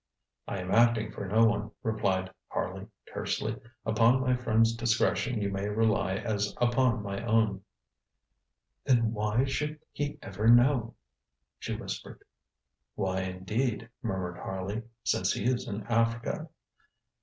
ŌĆ£I am acting for no one, ŌĆØ replied Harley tersely. ŌĆ£Upon my friend's discretion you may rely as upon my own. ŌĆØ ŌĆ£Then why should he ever know? ŌĆØ she whispered. ŌĆ£Why, indeed, ŌĆØ murmured Harley, ŌĆ£since he is in Africa?